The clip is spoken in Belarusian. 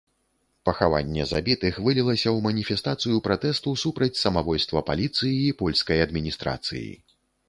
Пахаванне забітых вылілася ў маніфестацыю пратэсту супраць самавольства паліцыі і польскай адміністрацыі.